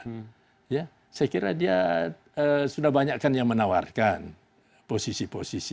saya kira dia sudah banyak kan yang menawarkan posisi posisi